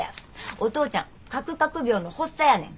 お父ちゃん書く書く病の発作やねん。